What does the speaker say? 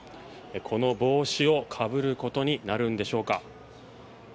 この帽子をかぶることになるんでしょうか。